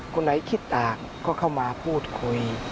คนไหนคิดต่างก็เข้ามาพูดคุย